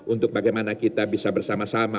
untuk bagaimana kita bisa bersama sama